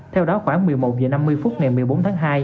theo đó khoảng một mươi một h năm mươi phút ngày một mươi bốn tháng hai